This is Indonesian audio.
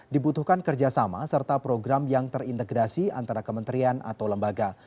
dibutuhkan kerjasama serta program yang terintegrasi antara kementerian atau lembaga